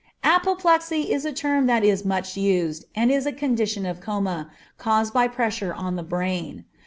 Apoplexy is a term that is much used, and is a condition of coma, caused by pressure on the brain.